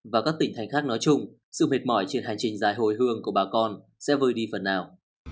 và các tỉnh thành khác nói chung sự mệt mỏi trên hành trình dài hồi hương của bà con sẽ vơi đi phần nào